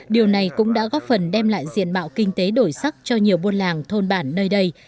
điều này cũng đã góp phần đem lại diện mạo kinh tế đổi sắc cho nhiều buôn làng thôn bản nơi đây